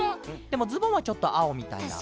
でもズボンはちょっとあおみたいな。